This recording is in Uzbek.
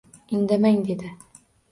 — Indamang! — dedi.